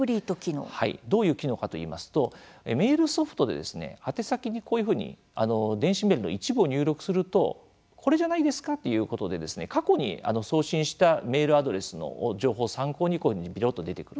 どういう機能かといいますとメールソフトで宛先にこういうふうに電子メールの一部を入力するとこれじゃないですか？ということで過去に送信したメールアドレスの情報を参考にこういうふうにぴろっと出てくる。